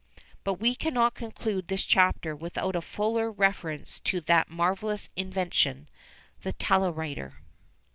But we cannot conclude this chapter without a fuller reference to that marvellous invention, the telewriter.